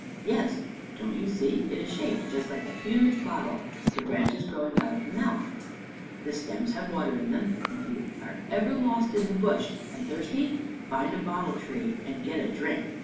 " Yes. Don't you see it is shaped just like a huge bottle, the branches growing out of the mouth ? The stems have water in them, and if you are ever lost in the Bush and thirsty, find a bottle tree and get a drink.